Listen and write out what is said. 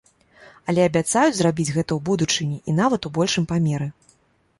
Але абяцаюць зрабіць гэта ў будучыні і нават у большым памеры.